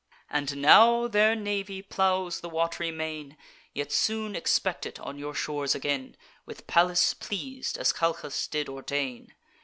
And now their navy plows the wat'ry main, Yet soon expect it on your shores again, With Pallas pleas'd; as Calchas did ordain.